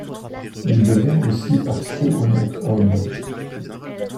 Il devient aussi par trop honnête homme.